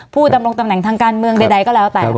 พูดทำงงแต่งการเมืองใดก็แล้วแต่